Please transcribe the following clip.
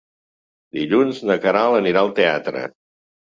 Dilluns na Queralt anirà al teatre.